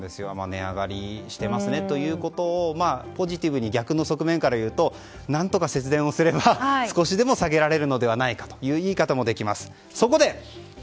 値上がりしていますねということをポジティブに逆の側面からいうと何とか節電すれば少しでも下げられるのではないかという言い方もできます。